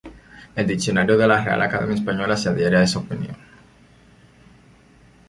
El "Diccionario de la Real Academia Española" se adhiere a esa opinión.